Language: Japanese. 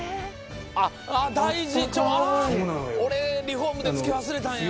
俺リフォームでつけ忘れたんよ